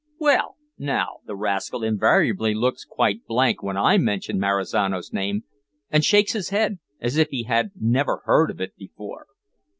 Well now, the rascal invariably looks quite blank when I mention Marizano's name, and shakes his head, as if he had never heard of it before."